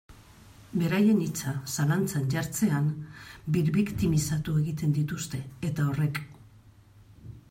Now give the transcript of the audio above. Beraien hitza zalantzan jartzean birbiktimizatu egiten dituzte, eta horrek.